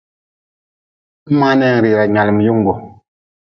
Mʼmaa ninrira nyaalm yunggu.